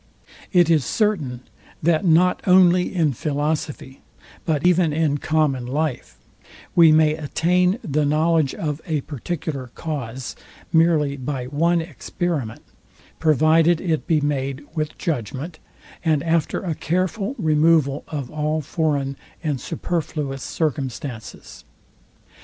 It is certain, that not only in philosophy, but even in common life, we may attain the knowledge of a particular cause merely by one experiment, provided it be made with judgment, and after a careful removal of all foreign and superfluous circumstances.